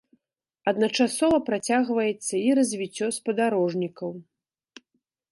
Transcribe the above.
Адначасова працягваецца і развіццё спадарожнікаў.